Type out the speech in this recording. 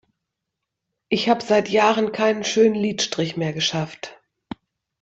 Ich hab seit Jahren keinen schönen Lidstrich mehr geschafft.